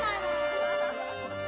アハハハ！